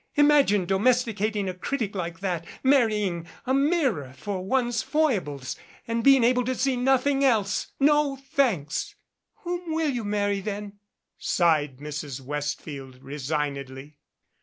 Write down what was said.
Imagine domesticating a critic like that, marrying a mirror for one's foibles and being able to see nothing else. No, thanks." "Whom will you marry then?" sighed Mrs. Westfield resignedly.